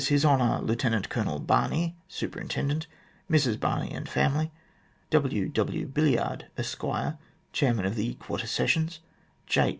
His Honour Lieutenant Colonel Barney, Superintendent, Mrs Barney, and family ; W. W. Billyard, Esq., Chairman of Quarter Sessions ; J.